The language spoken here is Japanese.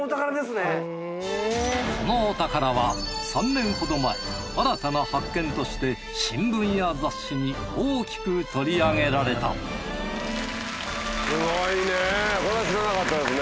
このお宝は３年ほど前新たな発見として新聞や雑誌に大きく取り上げられたすごいねこれは知らなかったですね。